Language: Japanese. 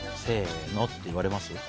「セノ」って言われます？